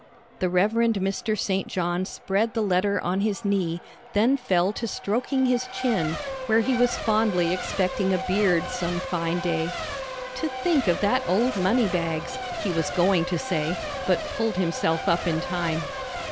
The Rev. Mr. St. John spread the letter on his knee, then fell to stroking his chin, where he was fondly expecting a beard some fine day. "To think of that old money bags," he was going to say, but pulled himself up in time.